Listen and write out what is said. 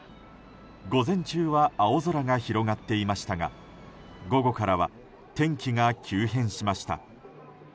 午前中は青空が広がっていましたが午後からは天気が急変しました。